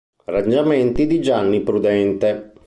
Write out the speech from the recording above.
Arrangiamenti di Gianni Prudente.